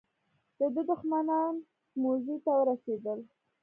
د ده دښمنان سموڅې ته ورسېدل.